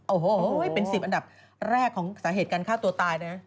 โอ้โหเป็น๑๐อันดับแรกของสาเหตุการฆ่าตัวตายเลยนะ